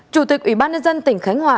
chủ tịch ủy ban nhân dân tỉnh khánh hòa